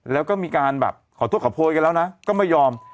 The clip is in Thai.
แล้วก็มีการแบบขอโทษขอโพยกันแล้วนะก็ไม่ยอม